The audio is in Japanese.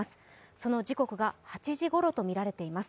その時刻が８時ごろとみられています。